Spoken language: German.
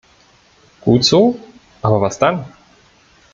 Gut so, aber was dann?